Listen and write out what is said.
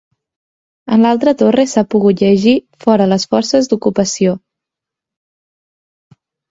En l’altra torre s’ha pogut llegir “Fora les forces d’ocupació”.